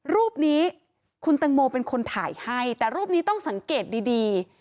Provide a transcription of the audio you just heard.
รูปนี้คุณตังโมเป็นคนถ่ายให้แต่รูปนี้ต้องสังเกตดี